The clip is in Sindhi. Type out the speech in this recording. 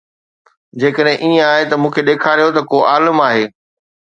جيڪڏهن ائين آهي ته مون کي ڏيکاريو ته ڪو عالم آهي